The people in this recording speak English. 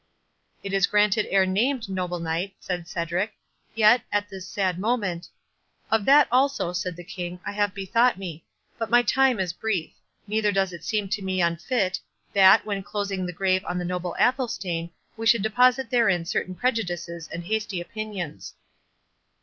"It is granted ere named, noble Knight," said Cedric; "yet, at this sad moment— " "Of that also," said the King, "I have bethought me—but my time is brief—neither does it seem to me unfit, that, when closing the grave on the noble Athelstane, we should deposit therein certain prejudices and hasty opinions."